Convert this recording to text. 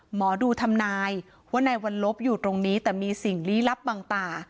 หมอดูทำนายว่านายวัลลบอยู่ตรงนี้แต่มีสิ่งลี้ลับบางตา